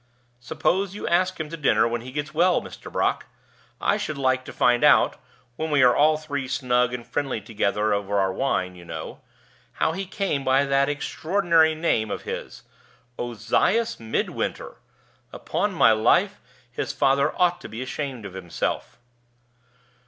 "Suppose you ask him to dinner when he gets well, Mr. Brock? I should like to find out (when we are all three snug and friendly together over our wine, you know) how he came by that extraordinary name of his. Ozias Midwinter! Upon my life, his father ought to be ashamed of himself."